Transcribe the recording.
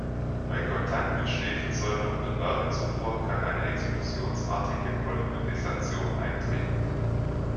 Bei Kontakt mit Schwefelsäure unter Wärmezufuhr kann eine explosionsartige Polymerisation eintreten.